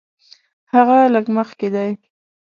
هغه لږ مخکې دی.